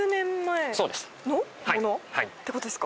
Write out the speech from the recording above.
はいってことですか？